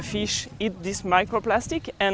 maka ikan akan makan mikroplastik ini